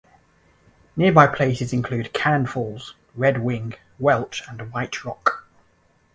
Nearby places include Cannon Falls, Red Wing, Welch, and White Rock.